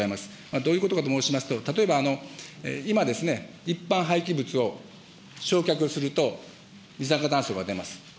どういうことかと申しますと、例えば今、一般廃棄物を焼却すると、二酸化炭素が出ます。